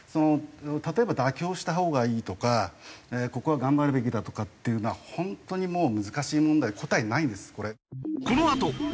例えば妥協したほうがいいとかここは頑張るべきだとかっていうのは本当にもう難しい問題答えないんですこれ。